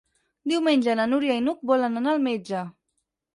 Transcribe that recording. Diumenge na Núria i n'Hug volen anar al metge.